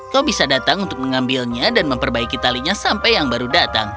kau bisa datang untuk mengambilnya dan memperbaiki talinya sampai yang baru datang